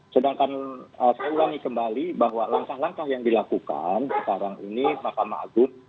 sedangkan saya ulangi kembali bahwa langkah langkah yang dilakukan sekarang ini mahkamah agung